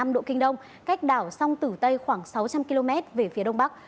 một trăm một mươi tám năm độ kinh đông cách đảo sông tử tây khoảng sáu trăm linh km về phía đông bắc